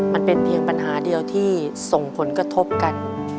มันเป็นเพียงปัญหาเดียวที่ส่งผลกระทบกัน